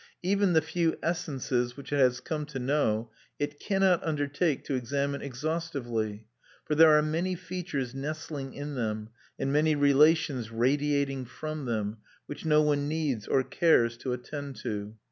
Even the few essences which it has come to know, it cannot undertake to examine exhaustively; for there are many features nestling in them, and many relations radiating from them, which no one needs or cares to attend to.